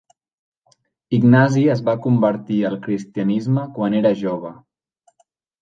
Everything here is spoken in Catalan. Ignasi es va convertir al cristianisme quan era jove.